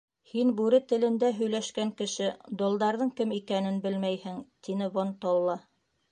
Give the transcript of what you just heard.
— Һин, бүре телендә һөйләшкән кеше, долдарҙың кем икәнен белмәйһең, — тине Вон-толла.